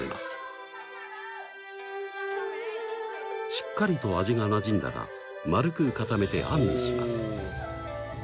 しっかりと味がなじんだら丸く固めてあんにします。